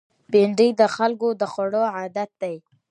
بېنډۍ د خلکو د خوړو عادت دی